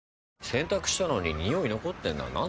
洗濯したのにニオイ残ってんな。